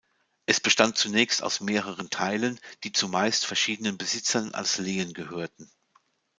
Es bestand zunächst aus mehreren Teilen, die zumeist verschiedenen Besitzern als Lehen gehörten.